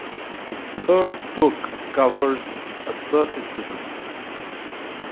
The third book covers asceticism.